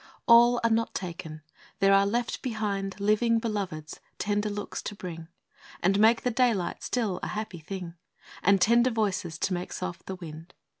A LL are not taken ! there are left behind Living Beloveds, tender looks to bring, And make the daylight still a happy thing, And tender voices, to make soft the wind.